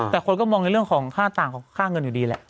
แต่คนก็มองในเรื่องของค่าต่างของค่าเงินอยู่ดีแหละ